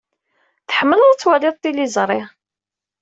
Tḥemmleḍ ad twaliḍ tiliẓri.